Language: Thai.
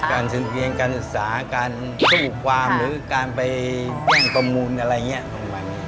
การสินเตียงการศึกษาการสู้ความหรือการไปแย่งกระมูลอะไรอย่างนี้